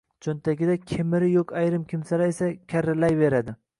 Cho‘ntagida hemiri yo‘q ayrim kimsalar esa karillayveradi